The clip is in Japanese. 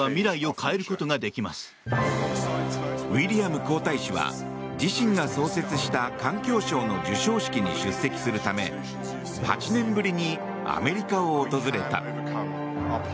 ウィリアム皇太子は自身が創設した環境賞の授賞式に出席するため８年ぶりにアメリカを訪れた。